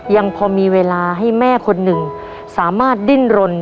ยังพอมีเวลาให้แม่คนหนึ่งสามารถดิ้นรน